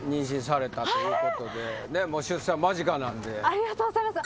ありがとうございます。